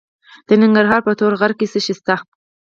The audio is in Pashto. د ننګرهار په تور غره کې څه شی شته؟